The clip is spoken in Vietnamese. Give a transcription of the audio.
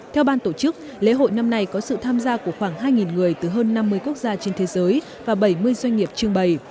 theo ban tổ chức lễ hội năm nay có sự tham gia của khoảng hai người từ hơn năm mươi quốc gia trên thế giới và bảy mươi doanh nghiệp trưng bày